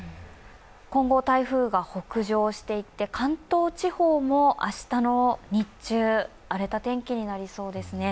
今後台風が北上していって関東地方も明日の日中、荒れた天気になりそうですね。